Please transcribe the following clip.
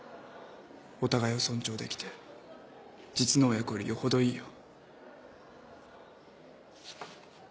お互いを尊重できて実の親子よりよほどいいよ。